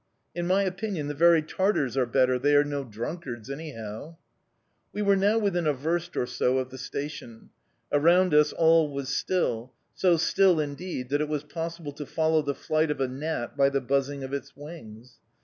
In my opinion, the very Tartars are better, they are no drunkards, anyhow."... We were now within a verst or so of the Station. Around us all was still, so still, indeed, that it was possible to follow the flight of a gnat by the buzzing of its wings.